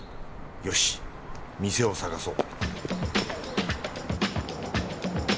よし店を探そう